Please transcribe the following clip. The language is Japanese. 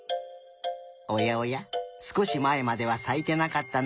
おやおやすこしまえまではさいてなかったのに。